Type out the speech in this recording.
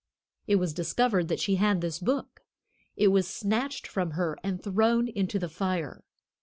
It was discovered that she had this book; it was snatched from her and thrown into the fire.